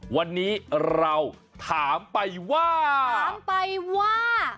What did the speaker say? วันนี้เราถามไปว่าถามไปว่า